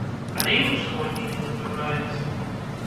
Але і ўсходні не забываецца.